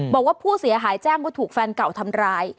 บอกว่าผู้เสียหายแจ้งว่าถูกแฟนเก่าทำร้าย